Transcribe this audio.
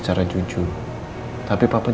kasih tau papa